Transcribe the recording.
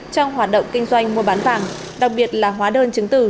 trong hoạt động kinh doanh mua bán vàng đặc biệt là hóa đơn chứng từ